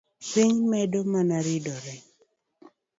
Piny medo mana ridore